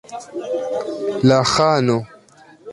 La ĥano!